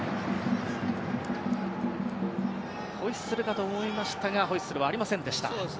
ホイッスルかと思いましたがホイッスルはありませんでした。